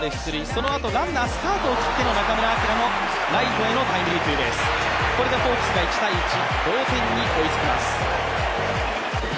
そのあとランナー、スタートを切っての中村晃のライトへのタイムリーツーベース、これでホークスが１−１同点に追いつきます。